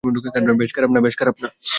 বেশ, খারাপ না।